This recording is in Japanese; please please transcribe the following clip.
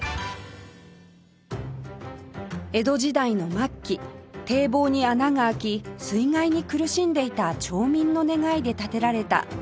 江戸時代の末期堤防に穴が開き水害に苦しんでいた町民の願いで建てられた穴守稲荷